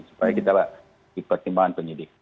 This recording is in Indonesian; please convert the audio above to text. supaya kita di pertimbangan penyidik